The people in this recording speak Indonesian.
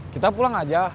kita pulang aja